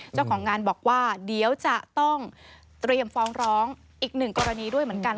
เจ้าของงานบอกว่าเดี๋ยวจะต้องเตรียมฟ้องร้องอีกหนึ่งกรณีด้วยเหมือนกัน